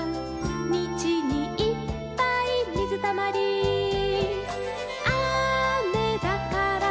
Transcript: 「みちにいっぱいみずたまり」「あめだから」